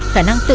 cả năng tự do